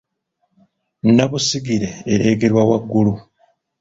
nnabusigire ereegerwa waggulu,